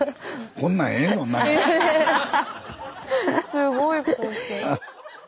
すごい光景。